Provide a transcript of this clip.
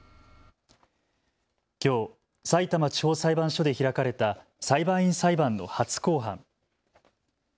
きょう、さいたま地方裁判所で開かれた裁判員裁判の初公判。